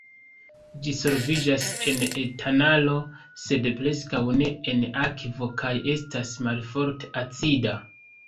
Ĝi solviĝas en etanolo, sed preskaŭ ne en akvo, kaj estas malforte acida.